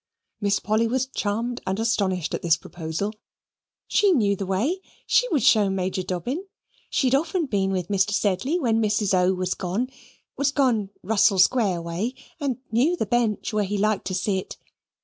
Miss Polly was charmed and astonished at this proposal. She knew the way. She would show Major Dobbin. She had often been with Mr. Sedley when Mrs. O. was gone was gone Russell Square way and knew the bench where he liked to sit.